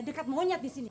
dekat monyet di sini